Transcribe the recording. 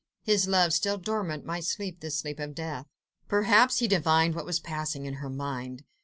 His love still dormant might sleep the sleep of death. Perhaps he divined what was passing in her mind.